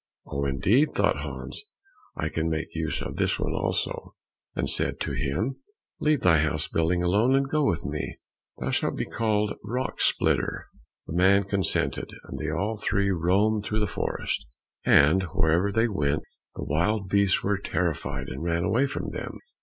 "Oh, indeed," thought Hans, "I can make use of this one also;" and said to him, "Leave thy house building alone, and go with me; thou shalt be called Rock splitter." The man consented, and they all three roamed through the forest, and wherever they went the wild beasts were terrified, and ran away from them.